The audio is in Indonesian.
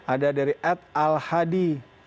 ada dari ad al hadi